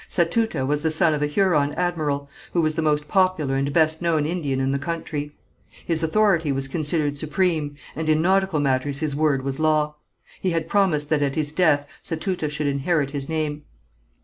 Satouta was the son of a Huron admiral, who was the most popular and best known Indian in the country. His authority was considered supreme, and in nautical matters his word was law. He had promised that at his death Satouta should inherit his name.